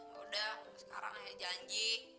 ya udah sekarang ayah janji